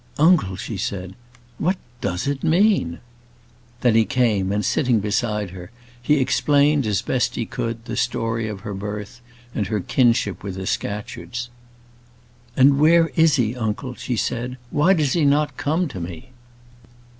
"Uncle," she said, "what does it mean?" Then he came, and sitting beside her, he explained, as best he could, the story of her birth, and her kinship with the Scatcherds. "And where is he, uncle?" she said. "Why does he not come to me?"